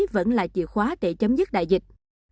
vẫn là chìa khóa để chấm dứt đại dịch